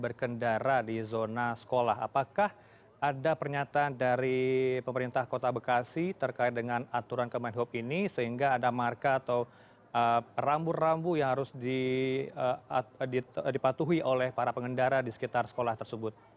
berkendara di zona sekolah apakah ada pernyataan dari pemerintah kota bekasi terkait dengan aturan kemenhub ini sehingga ada marka atau rambu rambu yang harus dipatuhi oleh para pengendara di sekitar sekolah tersebut